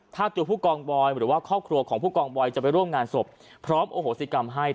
ถ้าตัวผู้กองบอยหรือว่าครอบครัวของผู้กองบอยจะไปร่วมงานศพพร้อมโอโหสิกรรมให้